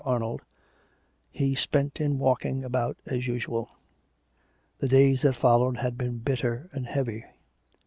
Arnold — he spent in walking abroad as usual. The days that followed had been bitter and heavy.